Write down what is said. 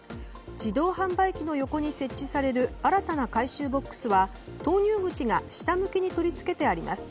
自動販売機の横に設置される新たな回収ボックスは投入口が下向きに取り付けてあります。